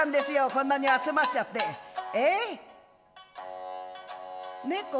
こんなに集まっちゃってええ。